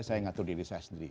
saya ngatur diri saya sendiri